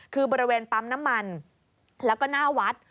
คือบริเวณปั๊มน้ำมันแล้วก็หน้าวัด